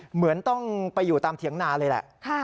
เหมือนต้องไปอยู่ตามเถียงนาเลยแหละ